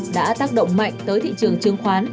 đã tác động mạnh tới thị trường chứng khoán